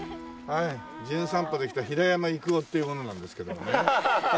『じゅん散歩』で来た平山郁夫っていう者なんですけどもね。